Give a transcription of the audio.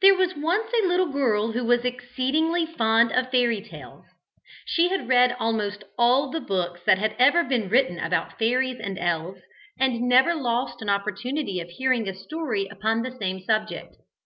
There was once a little girl who was exceedingly fond of fairy tales. She had read almost all the books that had ever been written about fairies and elves, and never lost an opportunity of hearing a story upon the same subject.